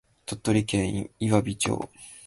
鳥取県岩美町